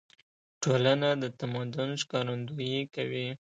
ټولنه د تمدن ښکارندويي کوي.